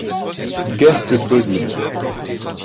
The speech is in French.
Guère plus plausible.